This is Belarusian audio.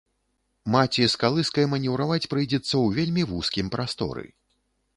Маці з калыскай манеўраваць прыйдзецца ў вельмі вузкім прасторы.